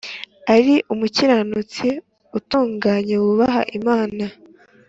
ari umukiranutsi utunganye, wubaha Imana